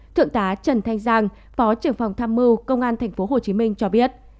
thượng tá trần thanh giang phó trưởng phòng tham mưu công an thành phố hồ chí minh cho biết